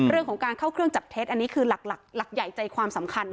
เรื่องของการเข้าเครื่องจับเท็จอันนี้คือหลักใหญ่ใจความสำคัญ